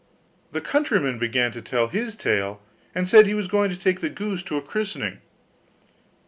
The countryman then began to tell his tale, and said he was going to take the goose to a christening.